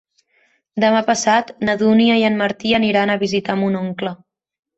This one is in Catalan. Demà passat na Dúnia i en Martí aniran a visitar mon oncle.